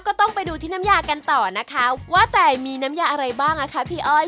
ก็ต้องไปดูที่น้ำยากันต่อนะคะว่าแต่มีน้ำยาอะไรบ้างอ่ะคะพี่อ้อย